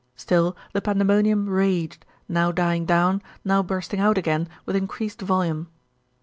Still the pandemonium raged, now dying down, now bursting out again with increased volume.